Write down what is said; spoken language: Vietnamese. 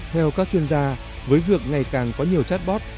theo các chuyên gia với việc ngày càng có nhiều chatbot